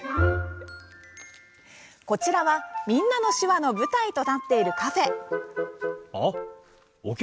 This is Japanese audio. こちらは「みんなの手話」の舞台となっているカフェ。